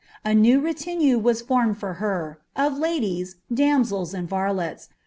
A new retinue was formed lor htr, of bdiKr damseU, and varlets.